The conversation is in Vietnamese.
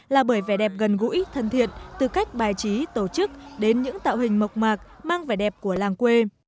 là bởi vẻ đẹp gần gũi thân thiện từ cách bài trí tổ chức đến những tạo hình mộc mạc mang vẻ đẹp của làng quê